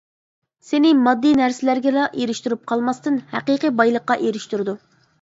سېنى ماددىي نەرسىلەرگىلا ئېرىشتۈرۈپ قالماستىن ھەقىقىي بايلىققا ئېرىشتۈرىدۇ.